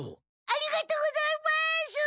ありがとうございます！